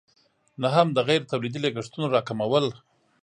نهم: د غیر تولیدي لګښتونو راکمول.